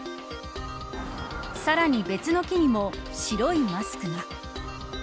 さらに別の木にも白いマスクが。